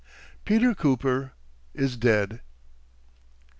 Peter Cooper is dead!"